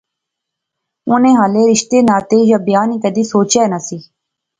انی ہالے رشتے ناطے یا بیاہ نی کیدے سوچی ایہہ نہسی